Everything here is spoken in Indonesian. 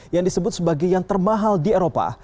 yang disebut sebagai yang termahal di eropa